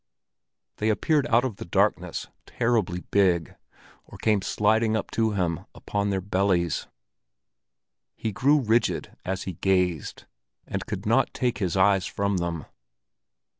They appeared out of the darkness, terribly big, or came sliding up to him upon their bellies. He grew rigid as he gazed, and could not take his eyes from them.